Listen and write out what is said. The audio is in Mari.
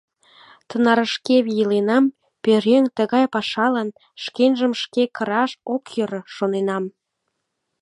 Тынарышкеве иленам, пӧръеҥ тыгай пашалан, шкенжым шке кыраш, ок йӧрӧ, шоненам.